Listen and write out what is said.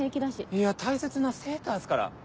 いや大切なセーターっすから。